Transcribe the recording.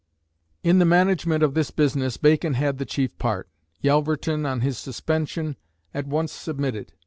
In the management of this business Bacon had the chief part. Yelverton, on his suspension, at once submitted.